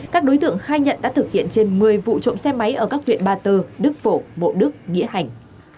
các đối tượng khai nhận đã thực hiện trên một mươi vụ trộm xe máy ở các huyện ba tơ đức phổ bộ đức nghĩa hành